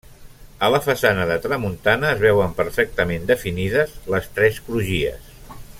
A la façana de tramuntana es veuen perfectament definides les tres crugies.